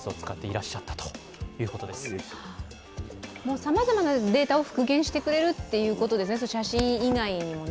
さまざまなデータを復元してくれるということですね、写真以外にもね。